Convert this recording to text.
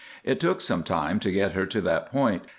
It took some time to get her to that point.